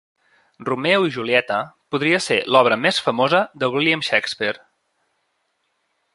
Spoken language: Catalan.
Romeo i Julieta podria ser l'obra més famosa de William Shakespeare.